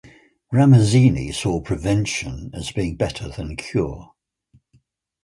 Ramazzini saw prevention as being better than cure.